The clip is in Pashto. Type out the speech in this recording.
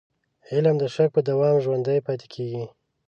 علم د شک په دوام ژوندی پاتې کېږي.